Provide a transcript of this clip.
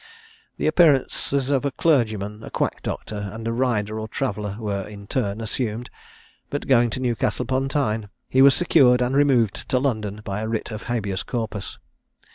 The appearances of a clergyman, a quack doctor, and a rider or traveller, were in turn assumed; but going to Newcastle upon Tyne, he was secured and removed to London by a writ of habeas corpus.